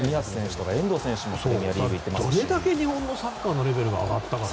どれだけ日本のサッカーのレベルが上がったか。